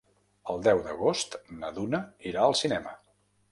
El deu d'agost na Duna irà al cinema.